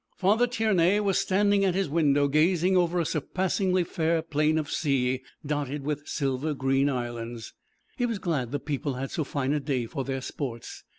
Father Tiernay was standing at his window gazing over a surpassingly fair plain of sea, dotted with silver green islands. He was glad the people had so fine a day for their sports.